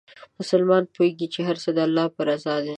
مسلمان پوهېږي چې هر څه د الله په رضا دي.